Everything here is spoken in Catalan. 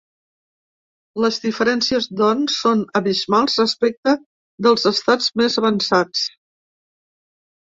Les diferències, doncs, són abismals respecte dels estats més avançats.